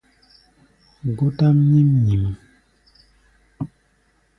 Gótʼám nyím nyǐm.